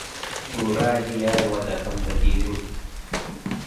ቡራይ ሀያይ ወደ ክም በዲሩ